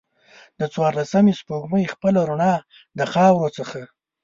د څوارلسمې سپوږمۍ خپله روڼا د خاورو څخه